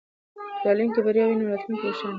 که په تعلیم کې بریا وي نو راتلونکی روښانه وي.